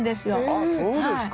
あっそうですか！